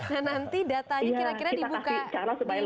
nah nanti datanya kira kira dibuka di berapa aja mbak